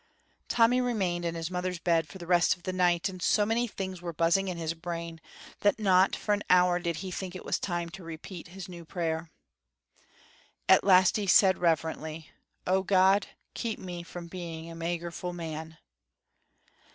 Tommy remained in his mother's bed for the rest of the night, and so many things were buzzing in his brain that not for an hour did he think it time to repeat his new prayer. At last he said reverently: "O God, keep me from being a magerful man!"